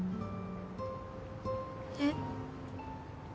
えっ？